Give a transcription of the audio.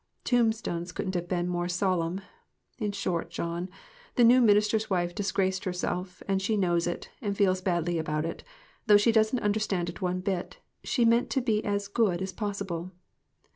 Tombstones couldn't have been more solemn. In short, John, the new minister's wife disgraced herself, and she knows it and feels badly about it, though she doesn't understand it one bit ; she meant to be as good as possible."